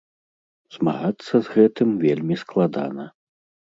Змагацца з гэтым вельмі складана.